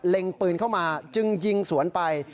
ปืนเข้ามาจึงยิงสวนไป